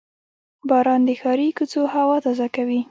• باران د ښاري کوڅو هوا تازه کوي.